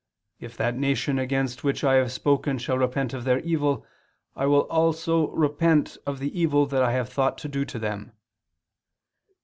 If that nation against which I have spoken shall repent of their evil, I also will repent of the evil that I have thought to do them."